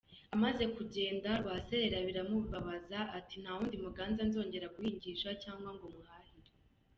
Amaze kugenda Rwaserera biramubabaza, ati “Nta wundi muganza nzongera guhingisha cyangwa ngo muhahire.